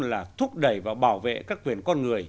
là thúc đẩy và bảo vệ các quyền con người